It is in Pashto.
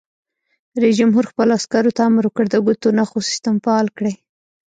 رئیس جمهور خپلو عسکرو ته امر وکړ؛ د ګوتو نښو سیسټم فعال کړئ!